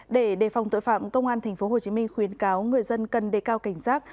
để đề phòng tội phạm công an tp hcm khuyến cáo người dân cần đề cao cảnh giác